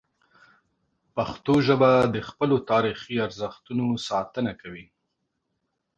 پښتو ژبه د خپلو تاریخي ارزښتونو ساتنه کوي.